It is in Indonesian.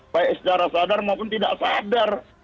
baik secara sadar maupun tidak sadar